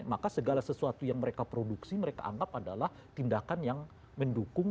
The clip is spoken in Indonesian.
maka segala sesuatu yang mereka produksi mereka anggap adalah tindakan yang mendukung